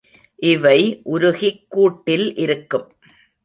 இவை உருகிக்கூட்டில் இருக்கும்.